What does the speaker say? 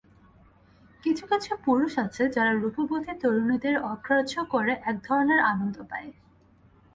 কিছু-কিছু পুরুষ আছে যারা রূপবতী তরুণীদের অগ্রাহ্য করে একধরনের আনন্দ পায়।